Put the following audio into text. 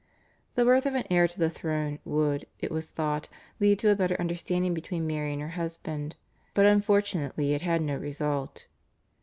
The birth of an heir to the throne would, it was thought, lead to a better understanding between Mary and her husband, but unfortunately it had no result.